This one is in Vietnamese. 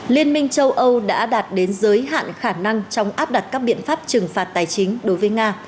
liên minh châu âu đã đạt đến giới hạn khả năng trong áp đặt các biện pháp trừng phạt tài chính đối với nga